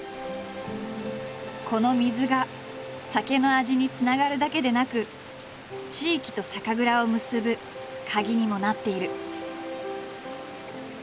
この水が酒の味につながるだけでなく地域と酒蔵を結ぶカギにもなっている。